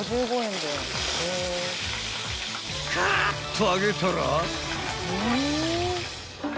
［カラッと揚げたら］